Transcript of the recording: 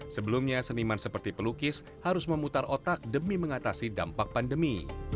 sebelumnya seniman seperti pelukis harus memutar otak demi mengatasi dampak pandemi